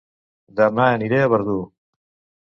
Dema aniré a Verdú